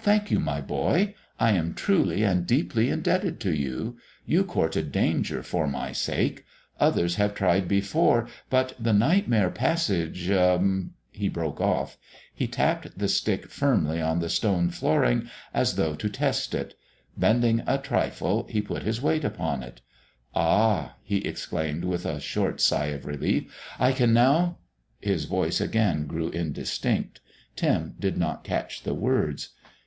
"Thank you, my boy. I am truly and deeply indebted to you. You courted danger for my sake. Others have tried before, but the Nightmare Passage er " He broke off. He tapped the stick firmly on the stone flooring, as though to test it. Bending a trifle, he put his weight upon it. "Ah!" he exclaimed with a short sigh of relief, "I can now " His voice again grew indistinct; Tim did not catch the words.